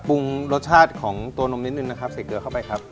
ปรุงรสชาติของตัวนมนิดนึงนะครับใส่เกลือเข้าไปครับ